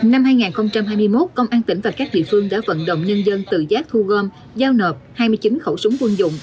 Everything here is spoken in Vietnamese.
năm hai nghìn hai mươi một công an tỉnh và các địa phương đã vận động nhân dân tự giác thu gom giao nộp hai mươi chín khẩu súng quân dụng